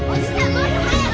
もっと速く！